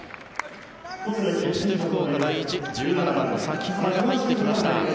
そして、福岡第一１７番の崎濱が入ってきました。